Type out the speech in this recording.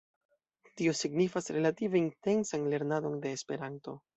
Tio signifas relative intensan lernadon de Esperanto.